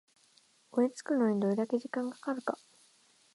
追いつくのにどれだけ時間がかかるか